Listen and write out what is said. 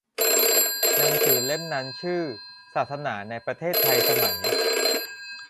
หนังสือเล่มนั้นชื่อ "ศาสนาในประเทศไทยสมัย"